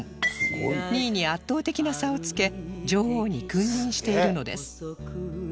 ２位に圧倒的な差をつけ女王に君臨しているのです